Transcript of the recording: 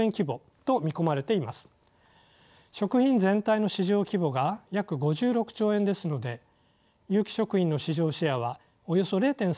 食品全体の市場規模が約５６兆円ですので有機食品の市場シェアはおよそ０．３％となります。